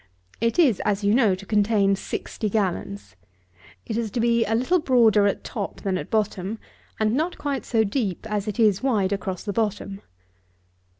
It is, you know, to contain sixty gallons. It is to be a little broader at top than at bottom, and not quite so deep as it is wide across the bottom.